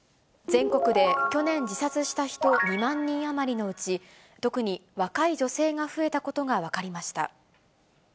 全国で去年自殺した人２万人余りのうち、特に若い女性が増えたことが分かりました。